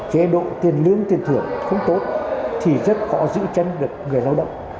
chế độ tiền lương tiền thưởng không tốt thì rất khó giữ chân được người lao động